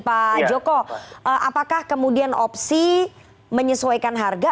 pak joko apakah kemudian opsi menyesuaikan harga